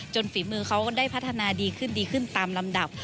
ฝีมือเขาได้พัฒนาดีขึ้นดีขึ้นตามลำดับ